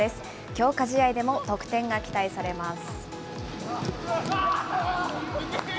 強化試合でも得点が期待されます。